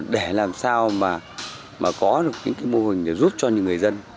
để làm sao mà có được những mô hình giúp cho những người dân